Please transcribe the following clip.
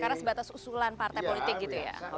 karena sebatas usulan partai politik gitu ya